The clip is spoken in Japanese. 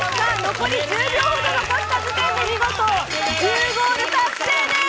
残り１０秒ほど残した時点で、見事１０ゴール達成です。